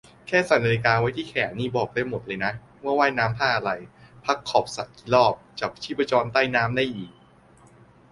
แค่ใส่นาฬิกาไว้ที่แขนนี่บอกได้หมดเลยนะว่าว่ายน้ำท่าอะไร พักขอบสระกี่รอบ จับชีพจรใต้น้ำได้อีก